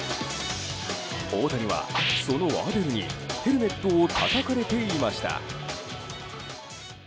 大谷は、そのアデルにヘルメットをたたかれていました。